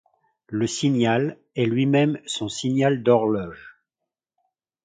Le signal est lui-même son signal d'horloge.